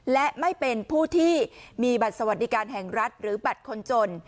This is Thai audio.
และไม่เป็นผู้ที่มีบัตรสวัสดิการแห่งรัฐหรือบัตรคนจน